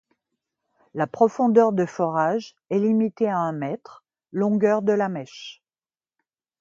La profondeur de forage est limitée à un mètre, longueur de la mèche.